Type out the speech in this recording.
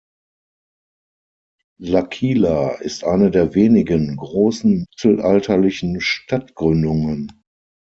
L’Aquila ist eine der wenigen großen mittelalterlichen Stadtgründungen.